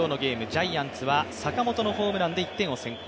ジャイアンツは坂本のホームランで１点を先行。